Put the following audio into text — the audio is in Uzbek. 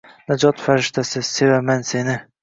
Najot farishtasi, sevaman seni